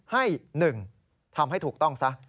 ให้๑ทำให้ถูกต้องซะ